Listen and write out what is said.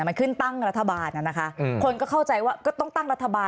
มันขึ้นตั้งรัฐบาลนะคะคนก็เข้าใจว่าก็ต้องตั้งรัฐบาล